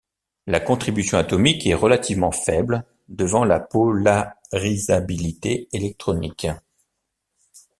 La contribution atomique est relativement faible devant la polarisabilité électronique.